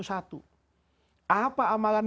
satu apa amalan